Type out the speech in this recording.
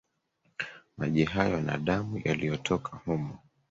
Maji hayo na damu, yaliyotoka humo.